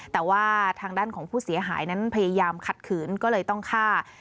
แต่ว่าทางด้านของผู้เสียหายนั้นพยายามขัดขืนก็เลยต้องฆ่า